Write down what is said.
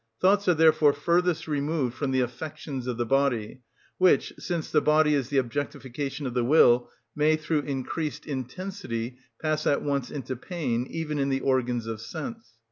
Thoughts are therefore furthest removed from the affections of the body, which, since the body is the objectification of the will, may, through increased intensity, pass at once into pain, even in the organs of sense.